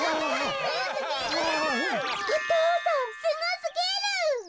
お父さんすごすぎる！